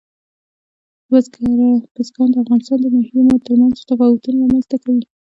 بزګان د افغانستان د ناحیو ترمنځ تفاوتونه رامنځ ته کوي.